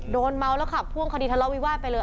โดนเมาเลยค่ะพ่วงคดีทะเลาควีว้าไปเลย